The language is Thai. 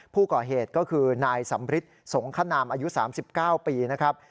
ผู้ก่อเหตุก็คือนายสำริทสงคณามอายุ๓๙ปีนะครับ